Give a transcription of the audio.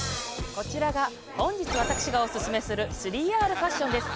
こちらが本日私がオススメする３Ｒファッションです。